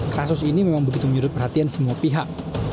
kasus ini memang begitu menyurut perhatian semua pihak